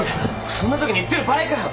そんなときに言ってる場合かよ。